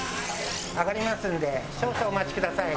上がりますので少々お待ちください。